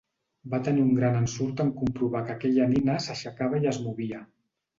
Va tenir un gran ensurt en comprovar que aquella nina s'aixecava i es movia.